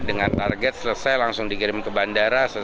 dengan target selesai langsung dikirim ke bandara